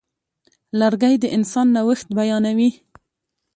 لرګی د انسان نوښت بیانوي.